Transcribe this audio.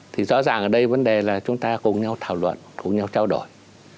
thì rõ ràng ở đây vấn đề là chúng ta cùng nhau thảo luận cùng nhau trao đổi